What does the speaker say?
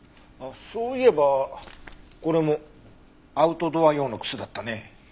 あっそういえばこれもアウトドア用の靴だったね。